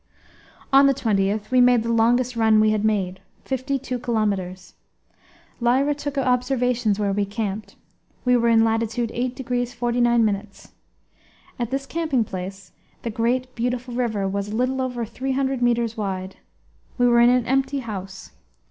On the 20th we made the longest run we had made, fifty two kilometres. Lyra took observations where we camped; we were in latitude 8 degrees 49 minutes. At this camping place the great, beautiful river was a little over three hundred metres wide. We were in an empty house.